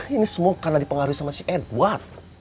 ini semua karena dipengaruhi sama si edward